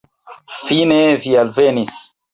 Fine, vi alvenis!